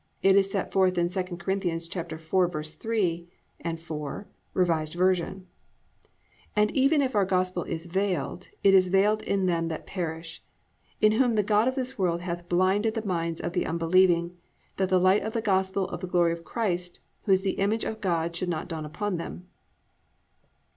It is set forth in II Cor. 4:3, 4, R. V.: +"And even if our gospel is veiled, it is veiled in them that perish: (4) In whom the god of this world hath blinded the minds of the unbelieving, that the light of the gospel of the glory of Christ, who is the image of God should not dawn upon them."